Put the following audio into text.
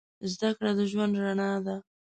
زده کړه د ژوند رڼا ده.